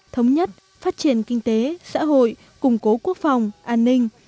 thống nhất phát triển kinh tế xã hội củng cố quốc phòng an ninh